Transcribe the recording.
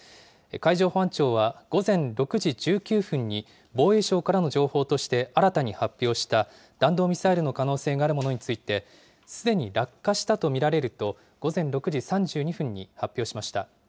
海上保安庁は午前６時１９分に防衛省からの情報として、新たに発表した弾道ミサイルの可能性があるものについて、すでに落下したと見られると、午前６時３２分に発表しました。